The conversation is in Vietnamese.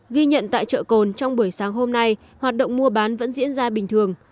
ghi nhận tại chợ cồn trong buổi sáng hôm nay hoạt động mua bán vẫn diễn ra bình thường